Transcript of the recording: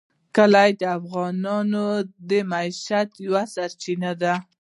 کلي د افغانانو د معیشت یوه سرچینه ده.